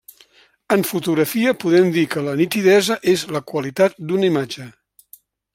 En fotografia podem dir que la nitidesa és la qualitat d’una imatge.